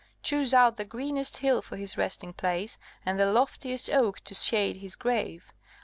Choose out the greenest hill for his resting place, and the loftiest oak to shade his grave.